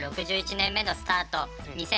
６１年目のスタート